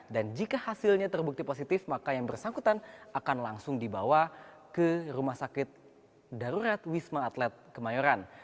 dan jika hasilnya terbukti positif maka yang bersangkutan akan langsung dibawa ke rumah sakit darurat wisma atlet kemayoran